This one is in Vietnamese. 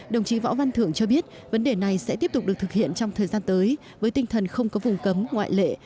đồng chí võ văn thưởng cho biết vấn đề này sẽ tiếp tục được thực hiện trong thời gian tới với tinh thần không có vùng cấm ngoại lệ